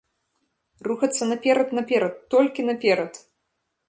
Рухацца наперад-наперад, толькі наперад!